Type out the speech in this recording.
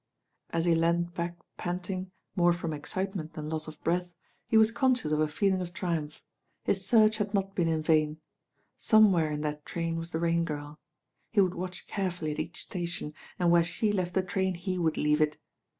As he leaned back panting, more from excitement than loss of breath, he was conscious of a feeling of triumph. His search had not been in vain. Somewhere in that train was the Rain Girl. He would watch carefully at each station, and where she left the train he would leave it.